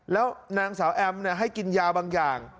แล้วนางสาวแอมให้กินยาบางอย่าง